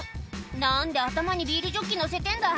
何で頭にビールジョッキのせてんだ？